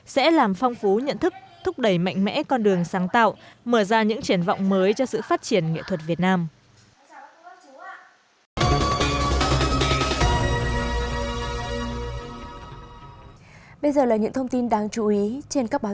sẽ làm phong phú nhận thức thúc đẩy mạnh mẽ con đường sáng tạo